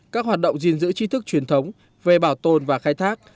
các hoạt động gìn giữ trí thức truyền thống về bảo tồn và khai thác